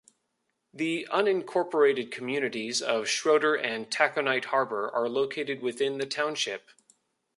The unincorporated communities of Schroeder and Taconite Harbor are located within the township.